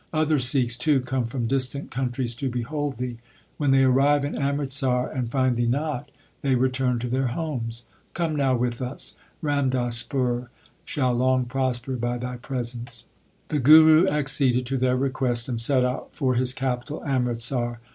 Other Sikhs too come from distant countries to behold thee. When they arrive in Amritsar and find thee not, they return to their homes. Come now with us. Ramdaspur shall long prosper by thy presence. The Guru acceded to their request, and set out for his capital Amritsar.